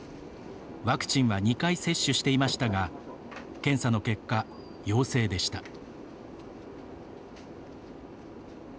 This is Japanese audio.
ワクチンは２回、接種していましたが検査の結果、陽性でした。